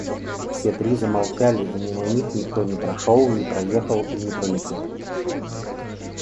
Все три замолчали и мимо них никто не прошел, не проехал и не пролетел.